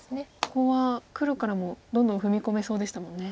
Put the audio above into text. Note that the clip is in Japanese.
ここは黒からもどんどん踏み込めそうでしたもんね。